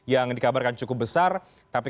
yang dikabarkan cukup besar tapi